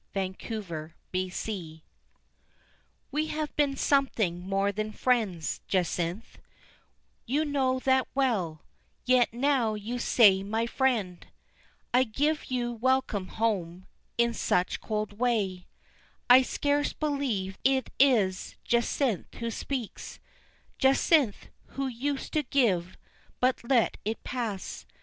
Jacynth "We have been something more than friends, Jacynth, You know that well, yet now you say 'my friend, I give you welcome home,' in such cold way I scarce believe it is Jacynth who speaks Jacynth, who used to give but let it pass.